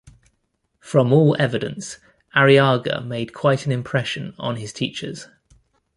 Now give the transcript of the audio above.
From all evidence, Arriaga made quite an impression on his teachers.